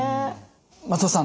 松尾さん